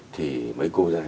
thì mấy cô ra là